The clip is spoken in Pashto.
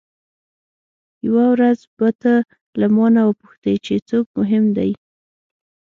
یوه ورځ به ته له مانه وپوښتې چې څوک مهم دی.